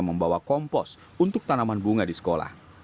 membawa kompos untuk tanaman bunga di sekolah